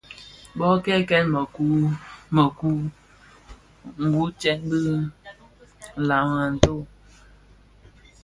Bō kènkèn mëkun bi mëkun, wutsem dhi nlami a ntoo.